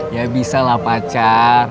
ya bisa lah pacar